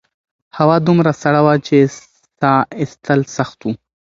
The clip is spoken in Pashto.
هوا دومره سړه وه چې سا ایستل سخت وو.